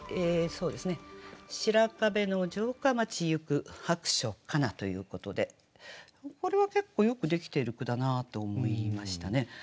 「白壁の城下町ゆく薄暑かな」ということでこれは結構よくできている句だなと思いましたね。